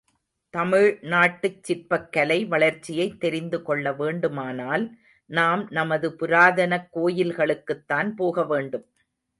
தமிழ்நாட்டுச் சிற்பக் கலை வளர்ச்சியைத் தெரிந்து கொள்ள வேண்டுமானால் நாம் நமது புராதனக் கோயில்களுக்குத்தான் போக வேண்டும்.